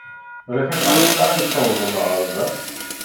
Ɣef acḥal ssaɛa i d-tewwḍem ar da?